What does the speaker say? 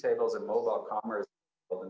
tabel utama di kompetisi mobil